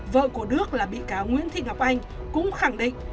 vợ của đức là bị cáo nguyễn thị ngọc anh cũng khẳng định